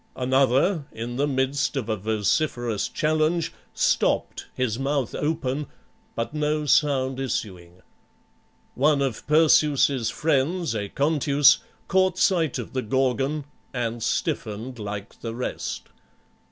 Another, in the midst of a vociferous challenge, stopped, his mouth open, but no sound issuing. One of Perseus's friends, Aconteus, caught sight of the Gorgon and stiffened like the rest.